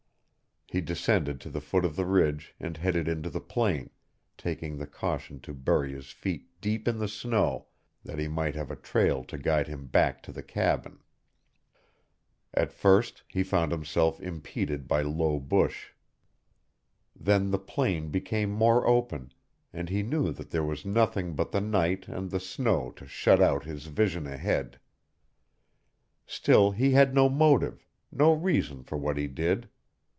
He descended to the foot of the ridge and headed into the plain, taking the caution to bury his feet deep in the snow that he might have a trail to guide him back to the cabin. At first he found himself impeded by low bush. Then the plain became more open, and he knew that there was nothing but the night and the snow to shut out his vision ahead. Still he had no motive, no reason for what he did.